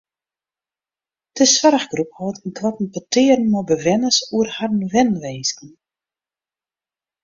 De soarchgroep hâldt ynkoarten petearen mei bewenners oer harren wenwinsken.